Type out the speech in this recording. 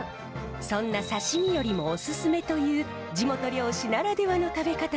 そんな刺身よりもおすすめという地元漁師ならではの食べ方があります。